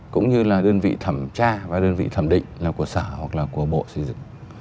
cũng như là đơn vị thẩm tra và đơn vị thẩm định là của sở hoặc là của bộ xây dựng